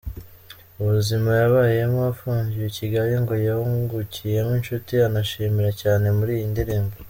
Ubuzima yabayemo afungiwe i Kigali ngo yungukiyemo inshuti anashimira cyane muri iyi ndirimbo.